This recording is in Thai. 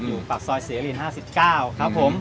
อยู่ปากซอย๔อลิน๕๙ครับผม